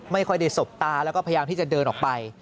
ไม่ค่อยได้สบตาแล้วก็พยายามที่จะเดินออกไป